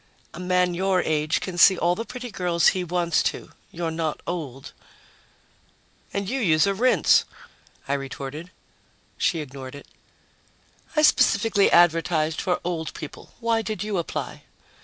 "A man your age can see all the pretty girls he wants to. You're not old." "And you use a rinse," I retorted. She ignored it. "I specifically advertised for old people. Why did you apply?"